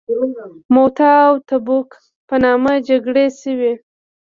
موته او تبوک په نامه جګړې شوي.